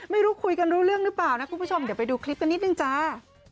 ไม่รู้คุยกันรู้เรื่องหรือเปล่านะคุณผู้ชมเดี๋ยวไปดูคลิปกันนิดนึงจ้า